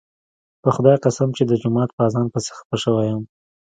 په خدای قسم چې د جومات په اذان پسې خپه شوی یم.